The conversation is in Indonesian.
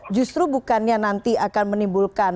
justru bukannya nanti akan menimbulkan